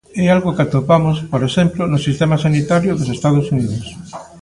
É algo que atopamos, por exemplo, no sistema sanitario dos Estados Unidos.